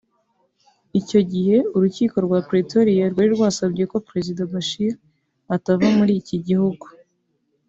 Icyo gihe urukiko rwa Pretoria rwari rwasabye ko Perezida Bashir atava muri iki gihugu